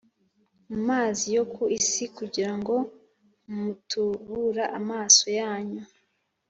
mu mazi yo ku isi kugira ngo mutubura amaso yanyu